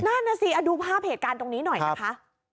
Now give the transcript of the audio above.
นั่นน่ะสิดูภาพเหตุการณ์ตรงนี้หน่อยนะคะ